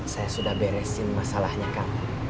saya sudah beresin masalahnya kamu